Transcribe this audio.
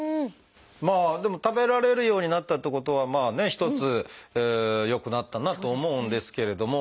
まあでも食べられるようになったってことはまあね一つ良くなったなと思うんですけれども